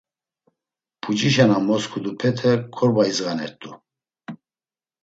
Pucişa na mosǩudupete korba idzğanert̆u.